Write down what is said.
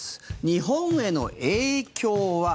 日本への影響は？